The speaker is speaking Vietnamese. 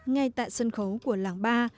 ngay tại sân khấu của làng ba